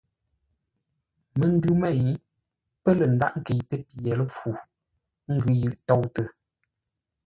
Məndʉ mêi pə̂ lə̂ ndághʼ ńkəitə́ pye ləpfû, ə́ ngʉ́ yʉʼ toutə.